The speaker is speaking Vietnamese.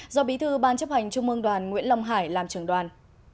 do bí thư ban chấp hành trung ương đoàn nguyễn lòng hải làm trưởng đoàn